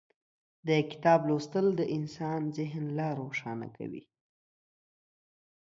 د کتاب لوستل د انسان ذهن لا روښانه کوي.